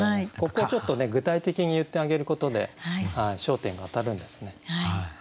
ここちょっと具体的に言ってあげることで焦点が当たるんですね。